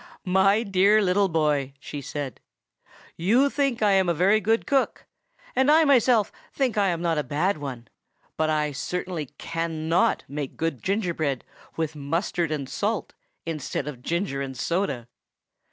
"My dear little boy," she said, "you think I am a very good cook, and I myself think I am not a very bad one; but I certainly can_not_ make good gingerbread with mustard and salt instead of ginger and soda!"